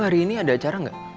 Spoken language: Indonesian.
hari ini ada acara nggak